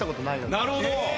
なるほど。